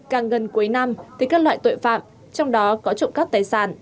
càng gần cuối năm thì các loại tội phạm trong đó có trộm cắp tài sản